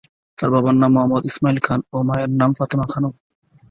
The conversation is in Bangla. তার বাবার নাম মোহাম্মদ ইসমাইল খান ও মা এর নাম ফাতেমা খানম।